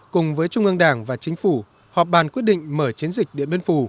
cùng với trung ương đảng và chính phủ họp bàn quyết định mở chiến dịch điện biên phủ